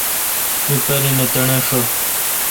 می پارن تݨے ° ݭہ